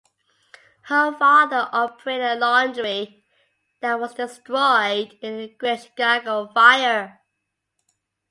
Her father operated a laundry that was destroyed in the Great Chicago Fire.